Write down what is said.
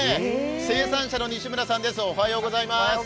生産者の西村さんです。